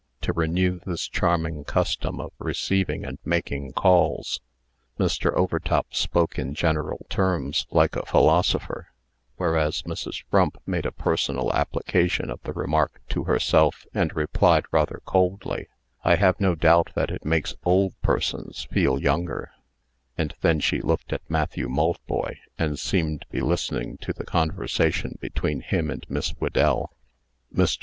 to renew this charming custom of receiving and making calls." Mr. Overtop spoke in general terms, like a philosopher; whereas Mrs. Frump made a personal application of the remark to herself, and replied, rather coldly: "I have no doubt that it makes old persons feel younger," and then she looked at Matthew Maltboy, and seemed to be listening to the conversation between him and Miss Whedell. Mr.